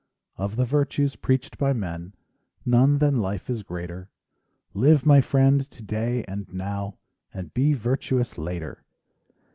Of the virtues preached by men None than life is greater; Live, my friend, today and now— And be virtuous later.